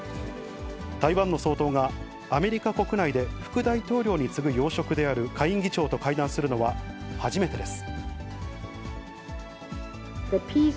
台湾の総統がアメリカ国内で副大統領に次ぐ要職である下院議長と会談するのは初めてです。